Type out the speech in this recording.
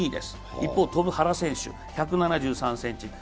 一方、原選手は１７３ｃｍ。